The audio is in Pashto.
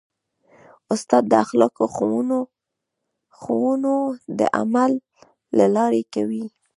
استاد د اخلاقو ښوونه د عمل له لارې کوي.